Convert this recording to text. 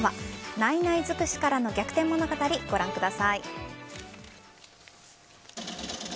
ないない尽くしからの逆転物語ご覧ください。